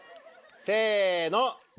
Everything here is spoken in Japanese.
せの！